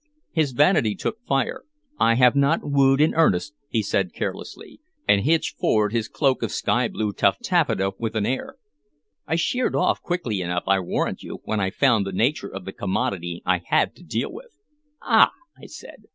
His vanity took fire. "I have not wooed in earnest," he said carelessly, and hitched forward his cloak of sky blue tuftaffeta with an air. "I sheered off quickly enough, I warrant you, when I found the nature of the commodity I had to deal with." "Ah!" I said.